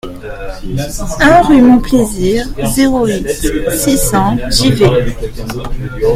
un rue Mon Plaisir, zéro huit, six cents, Givet